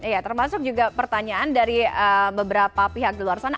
ya termasuk juga pertanyaan dari beberapa pihak di luar sana